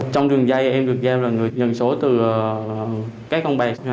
trong đường dây em được giao là người nhận số từ các con bạc